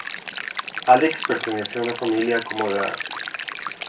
Álex pertenece a una familia acomodada.